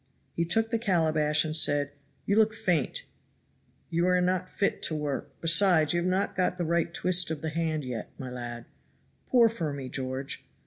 He took the calabash and said, "You look faint, you are not fit to work; besides you have not got the right twist of the hand yet, my lad. Pour for me, George."